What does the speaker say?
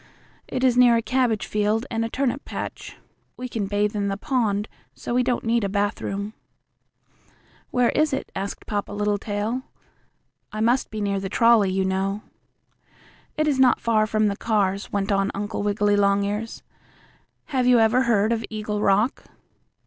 It is near a cabbage field and a turnip patch. We can bathe in the pond, so we don't need a bathroom." "Where is it?" asked Papa Littletail. "I must be near the trolley, you know." "It is not far from the cars," went on Uncle Wiggily Longears. "Have you ever heard of Eagle Rock?"